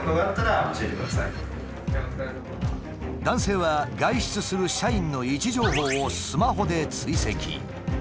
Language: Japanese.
男性は外出する社員の位置情報をスマホで追跡。